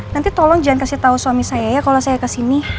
nanti tolong jangan kasih tahu suami saya ya kalau saya kesini